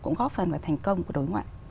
cũng khó khăn và thành công của đối ngoại